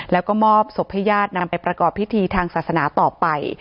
แล้วก็มอบศพให้ญาตินำไปประกอบพิธีทางศาสนาต่อไป